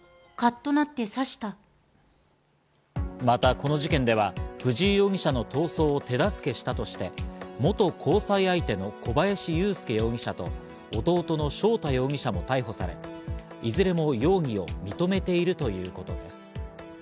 またこの事件では藤井容疑者の逃走を手助けしたとして、元交際相手の小林優介容疑者と弟の翔太容疑者も逮捕され、いずれも容疑を認めているということです。